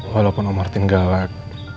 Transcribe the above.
walaupun om martin gawat